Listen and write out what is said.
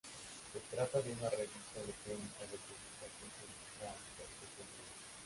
Se trata de una revista electrónica de publicación semestral de acceso libre.